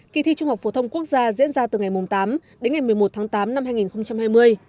kỳ thi trung học phổ thông quốc gia diễn ra từ ngày tám đến ngày một mươi một tháng tám năm hai nghìn hai mươi